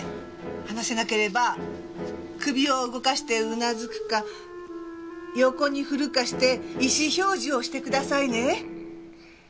話せなければ首を動かしてうなずくか横に振るかして意思表示をしてくださいね。